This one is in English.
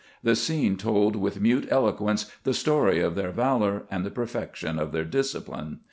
The scene told with mute eloquence the story of their valor and the perfection of their discipline.